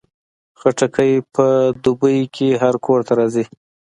خټکی په دوبۍ کې هر کور ته راځي.